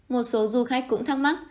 một số du khách cũng thắc mắc